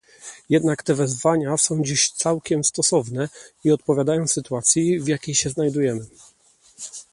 Jednak te wezwania są dziś całkiem stosowne i odpowiadają sytuacji, w jakiej się znajdujemy